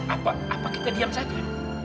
apa apa kita diam saja